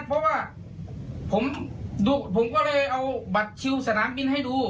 เพราะว่าผมก็เลยเอาบัตรคิวสนามบินให้ดู